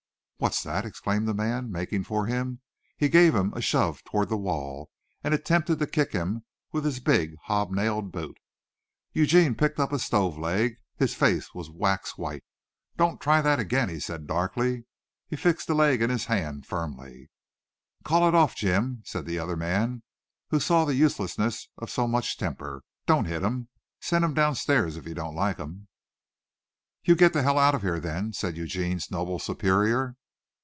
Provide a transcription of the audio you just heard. "What's that!" exclaimed the man, making for him. He gave him a shove toward the wall, and attempted to kick him with his big, hob nailed boot. Eugene picked up a stove leg. His face was wax white. "Don't you try that again," he said darkly. He fixed the leg in his hand firmly. "Call it off, Jim," said the other man, who saw the uselessness of so much temper. "Don't hit him. Send him down stairs if you don't like him." "You get to hell out of here, then," said Eugene's noble superior.